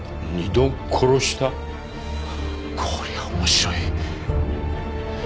こりゃ面白い。